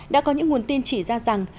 đã có những nguồn tin chỉ ra rằng